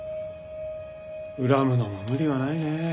恨むのも無理はないね。